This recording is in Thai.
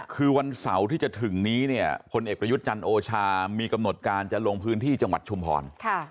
คือวันเสาร์ที่จะถึงนี้เนี่ยพลเอกประยุทธ์จันทร์โอชามีกำหนดการจะลงพื้นที่จังหวัดชุมพร